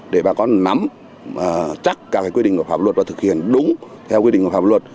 để bà con nắm chắc các quy định của pháp luật và thực hiện đúng theo quy định của pháp luật